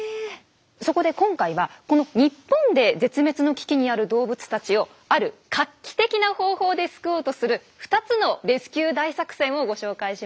そこで今回はこの日本で絶滅の危機にある動物たちをある画期的な方法で救おうとする２つのレスキュー大作戦をご紹介します。